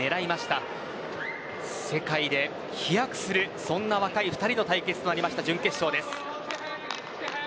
世界で飛躍するそんな若い２人の対決となった準決勝です。